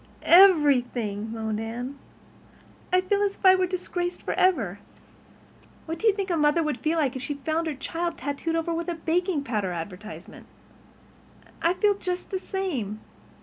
"Everything," moaned Anne. "I feel as if I were disgraced forever. What do you think a mother would feel like if she found her child tattooed over with a baking powder advertisement? I feel just the same.